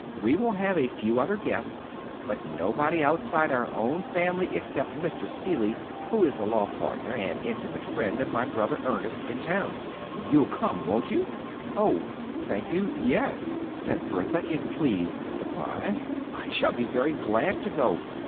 We will have a few other guests, but nobody outside our own family except Mr. Seeley, who is the law partner and intimate friend of my brother Ernest in town. You'll come, won't you?" "Oh, thank you, yes," said Bertha, in pleased surprise. "I shall be very glad to go.